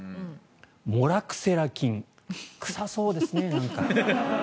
モラクセラ菌臭そうですね、なんか。